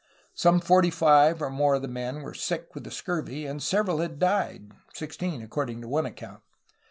Some forty five or more of the men were sick with the scurvy and several had died — sixteen according to one account.